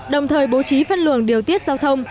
đồng thời bố trí phân luồng điều tiết giao thông